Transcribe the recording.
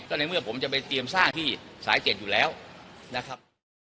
ในเมื่อผมจะไปเตรียมสร้างที่สาย๗อยู่แล้วนะครับ